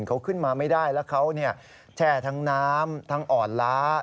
เขาขึ้นมาไม่ได้แล้วเขาแช่ทั้งน้ำทั้งอ่อนล้า